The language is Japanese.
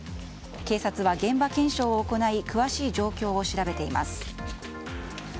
警察は現場検証を行い詳しい状況を調べています。